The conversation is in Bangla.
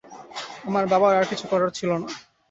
আমার বাবার আর কিছু করার ছিল না।